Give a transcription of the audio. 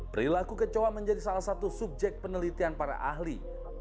perilaku kecoa menjadi salah satu subjek penelitian para ahli